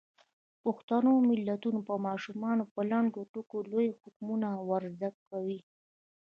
پښتو متلونه ماشومانو ته په لنډو ټکو کې لوی حکمتونه ور زده کوي.